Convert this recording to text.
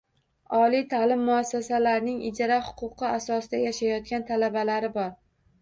Oliy ta’lim muassasalarining ijara huquqi asosida yashayotgan talabalari bor.